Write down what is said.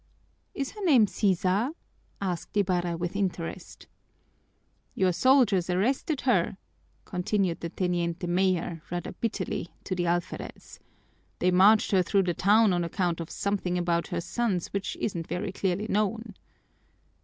"Is her name Sisa?" asked Ibarra with interest. "Your soldiers arrested her," continued the teniente mayor, rather bitterly, to the alferez. "They marched her through the town on account of something about her sons which isn't very clearly known."